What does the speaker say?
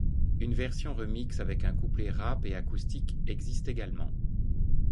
Une version remix avec un couplet rap et acoustique existe également.